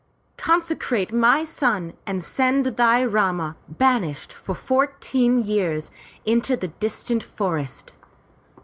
Consecrate my son and send thy Rama, banished for fourteen years, into the distant forests.